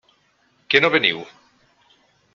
Que no veniu?